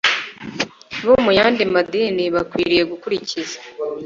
bo mu yandi madini bakwiriye gukurikiza